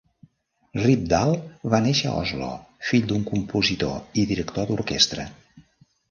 Rypdal va néixer a Oslo, fill d'un compositor i director d'orquestra.